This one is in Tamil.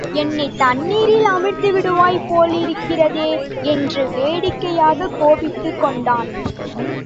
என்னைத் தண்ணீரில் அமிழ்த்திவிடுவாய் போலிருக்கிறதே! என்று வேடிக்கயைாகக் கோபித்துக் கொண்டான்.